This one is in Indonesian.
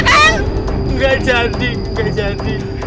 nggak jadi nggak jadi